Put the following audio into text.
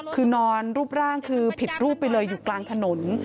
คือนอนรูปร่างคือผิดรูปไปเลยอยู่กลางถนน